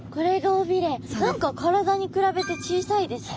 何か体に比べて小さいですね。